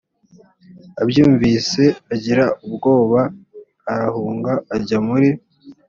abyumvise agira ubwoba arahunga ajya muri